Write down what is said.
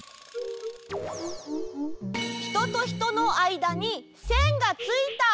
ひととひとのあいだにせんがついた！